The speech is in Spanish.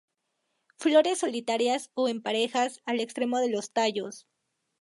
Flores solitarias o en parejas al extremo de los tallos.